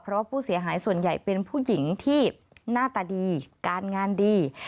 เพราะผู้เสียหายส่วนใหญ่เป็นผู้หญิงที่หน้าตาดีการงานดี